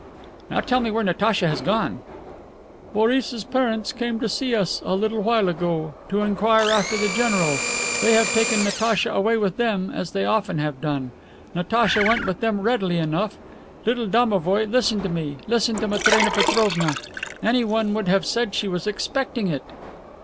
"Now tell me where Natacha has gone." "Boris's parents came to see us a little while ago, to inquire after the general. They have taken Natacha away with them, as they often have done. Natacha went with them readily enough. Little domovoi, listen to me, listen to Matrena Petrovna Anyone would have said she was expecting it!"